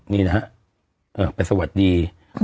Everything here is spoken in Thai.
นี่นะฮะไปสวัสดี